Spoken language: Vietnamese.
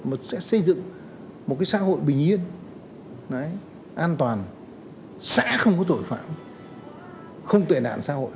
mà sẽ xây dựng một cái xã hội bình yên an toàn xã không có tội phạm không tệ nạn xã hội